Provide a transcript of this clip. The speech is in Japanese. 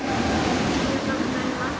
ありがとうございます。